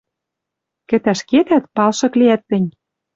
Кӹтӓш кетӓт, палшык лиӓт тӹнь...